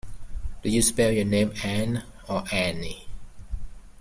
Do you spell your name Ann or Anne?